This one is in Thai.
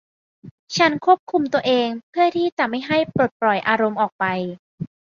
ฉันควบคุมตัวเองเพื่อที่จะไม่ให้ปลดปล่อยอารมณ์ออกไป